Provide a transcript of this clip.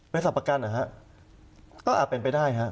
บริษัทประกันอ่ะฮะก็อาจเป็นไปได้ฮะ